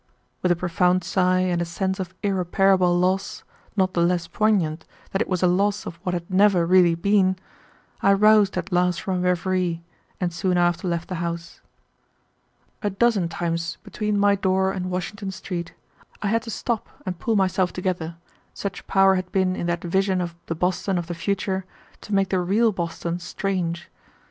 With a profound sigh and a sense of irreparable loss, not the less poignant that it was a loss of what had never really been, I roused at last from my reverie, and soon after left the house. A dozen times between my door and Washington Street I had to stop and pull myself together, such power had been in that vision of the Boston of the future to make the real Boston strange.